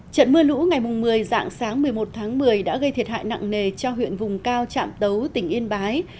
trận mưa lũ ngày một mươi dạng sáng một mươi một tháng một mươi đã gây thiệt hại nặng nề cho huyện vùng cao trạm tấu tỉnh yên bái